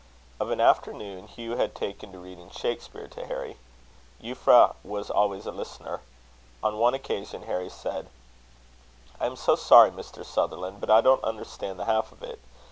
Of an afternoon Hugh had taken to reading Shakspere to Harry. Euphra was always a listener. On one occasion Harry said: "I am so sorry, Mr. Sutherland, but I don't understand the half of it.